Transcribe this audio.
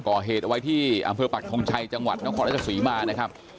ก่อเหตุเอาไว้ที่อำเภอปักทงชัยจังหวัดนครราชศรีมานะครับ